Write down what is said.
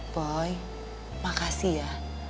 boy makasih ya